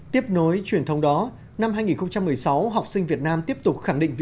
tiếp nối truyền thông đó năm hai nghìn một mươi sáu học sinh việt nam tiếp tục khẳng định vị